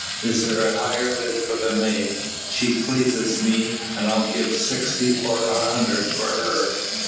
Is there a higher bid for the maid? She pleaseth me, and I'll give sixty or an hundred for her.